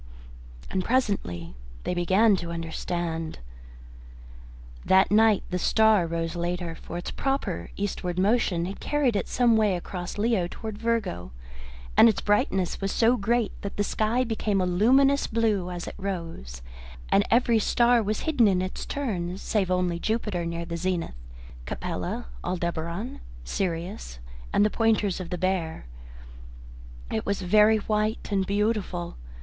And presently they began to understand. That night the star rose later, for its proper eastward motion had carried it some way across Leo towards Virgo, and its brightness was so great that the sky became a luminous blue as it rose, and every star was hidden in its turn, save only Jupiter near the zenith, Capella, Aldebaran, Sirius, and the pointers of the Bear. It was very white and beautiful.